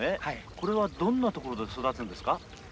これはどんな所で育つんですか？